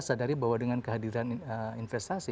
sadari bahwa dengan kehadiran investasi